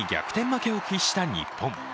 負けを喫した日本。